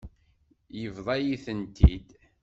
Yebḍa-yi-tent-id.